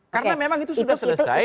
karena memang itu sudah selesai